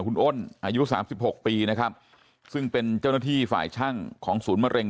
คุณอ้นอายุสามสิบหกปีนะครับซึ่งเป็นเจ้าหน้าที่ฝ่ายช่างของศูนย์มะเร็ง